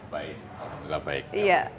baik alhamdulillah baik